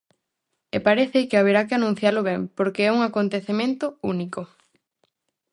E parece que haberá que anuncialo ben, porque é un acontecemento único.